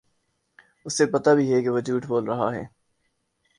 اُسے پتہ بھی ہے کہ وہ جھوٹ بول رہا ہے